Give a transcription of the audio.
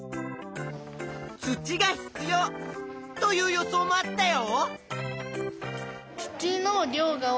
「土が必要」という予想もあったよ。